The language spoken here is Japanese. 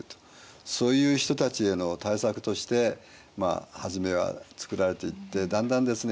そういう人たちへの対策として初めは作られていってだんだんですね